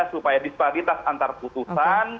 supaya disparitas antarputusan